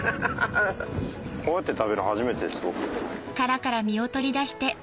こうやって食べるの初めてです僕。